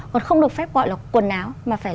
còn không được phép gọi là quần áo